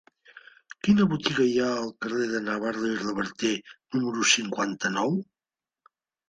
Quina botiga hi ha al carrer de Navarro i Reverter número cinquanta-nou?